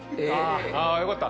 あよかった。